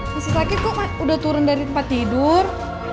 masih sakit kok udah turun dari tempat tidur